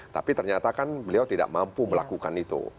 tapi ternyata kan beliau tidak mampu melakukan itu